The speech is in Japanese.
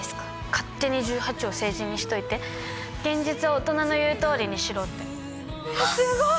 勝手に１８を成人にしといて現実は大人の言うとおりにしろって・すごい！